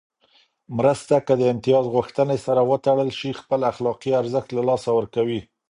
مرسته که د امتياز غوښتنې سره وتړل شي، خپل اخلاقي ارزښت له لاسه ورکوي.